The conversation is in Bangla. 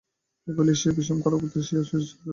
এই বলিয়া সেই বিষম খড়গ দ্বারা স্বীয় শিরশ্ছেদন করিল।